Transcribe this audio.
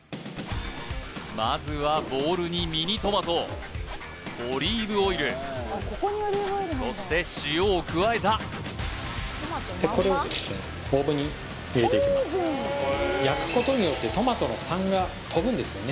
まずはボウルにミニトマトオリーブオイルそして塩を加えたこれをですね焼くことによってトマトの酸が飛ぶんですよね